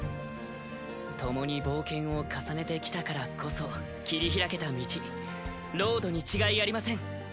共に冒険を重ねてきたからこそ切り開けた道ロードに違いありません。